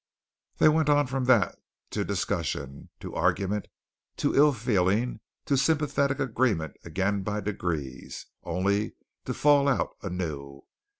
They went on from that to discussion, to argument, to ill feeling, to sympathetic agreement again by degrees, only to fall out anew.